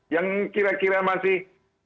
yang kira kira masih